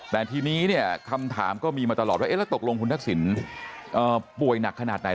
แต่ทีนี้เนี่ยคำถามก็มีมาตลอดว่าแล้วตกลงคุณทักษิณป่วยหนักขนาดไหน